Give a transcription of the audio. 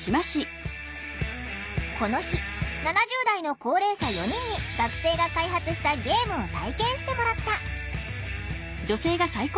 この日７０代の高齢者４人に学生が開発したゲームを体験してもらった。